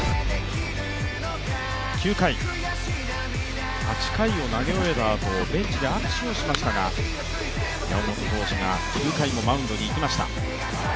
９回、８回を投げ終えたあとベンチで握手をしましたが、山本投手が９回もマウンドに行きました。